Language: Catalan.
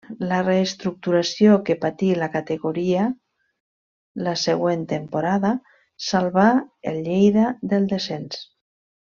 La reestructuració que patí la categoria la següent temporada salvà el Lleida del descens.